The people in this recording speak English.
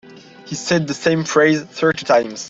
He said the same phrase thirty times.